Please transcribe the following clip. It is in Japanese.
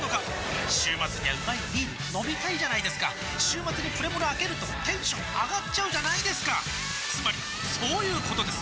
週末にはうまいビール飲みたいじゃないですか週末にプレモルあけるとテンション上がっちゃうじゃないですかつまりそういうことです！